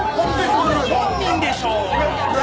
本人でしょ！